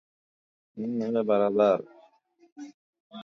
Kitu kipya leo Imba kwa shangwe wewe uliye tasa